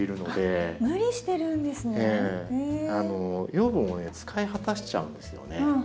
養分をね使い果たしちゃうんですよね。